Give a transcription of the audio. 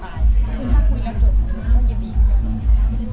ถ้าคุยแล้วจบหนูก็อย่าดีกว่าจะจบ